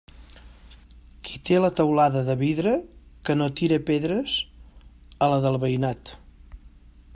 Qui té la teulada de vidre, que no tire pedres a la del veïnat.